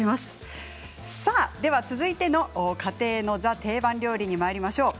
さあでは続いての家庭のＴＨＥ定番料理にまいりましょう。